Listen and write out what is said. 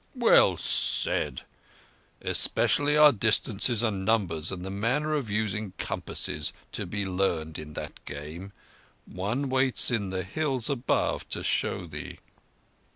"Well said. Especially are distances and numbers and the manner of using compasses to be learned in that game. One waits in the Hills above to show thee."